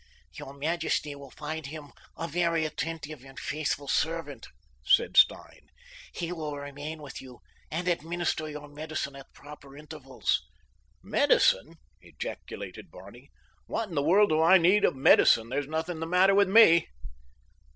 "Your majesty will find him a very attentive and faithful servant," said Stein. "He will remain with you and administer your medicine at proper intervals." "Medicine?" ejaculated Barney. "What in the world do I need of medicine? There is nothing the matter with me."